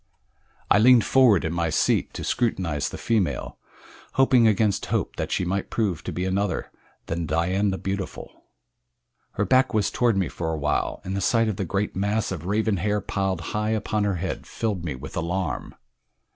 I leaned forward in my seat to scrutinize the female hoping against hope that she might prove to be another than Dian the Beautiful. Her back was toward me for a while, and the sight of the great mass of raven hair piled high upon her head filled me with alarm.